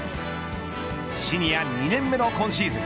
シニア２年目の今シーズン。